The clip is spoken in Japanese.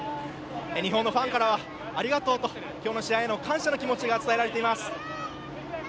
日本のファンからはありがとうと今日の試合への感謝の気持ちが伝えられています。